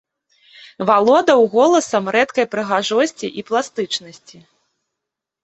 Валодаў голасам рэдкай прыгажосці і пластычнасці.